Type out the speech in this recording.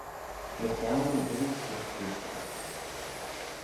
Mychione yn irree seose reesht echey.